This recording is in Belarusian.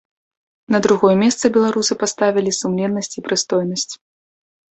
На другое месца беларусы паставілі сумленнасць і прыстойнасць.